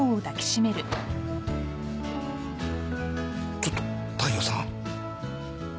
ちょっと大陽さん？